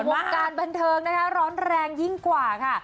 แต่ว่าการบันเทิงร้อนแรงยิ่งกว่าค่ะ